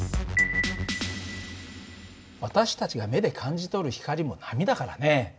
私たちが目で感じ取る光も波だからね。